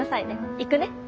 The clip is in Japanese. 行くね。